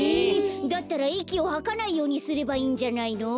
だったらいきをはかないようにすればいいんじゃないの？